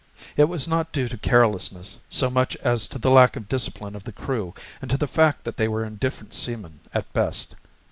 It was not due to carelessness so much as to the lack of discipline of the crew and to the fact that they were indifferent seamen at best.